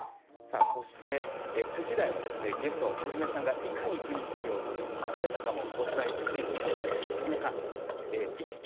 ９時台はゲストのハジメさんがいかに不妊治療を乗り越えたかをお伝えしていきます。